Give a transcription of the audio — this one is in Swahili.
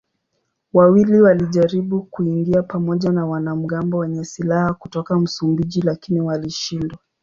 Wawili walijaribu kuingia pamoja na wanamgambo wenye silaha kutoka Msumbiji lakini walishindwa.